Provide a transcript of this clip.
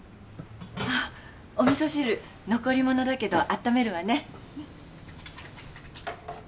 あっお味噌汁残り物だけどあっためるわね